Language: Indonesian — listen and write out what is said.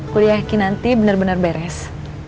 kuliah kinanti benar benar beres